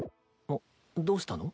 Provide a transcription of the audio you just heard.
あっどうしたの？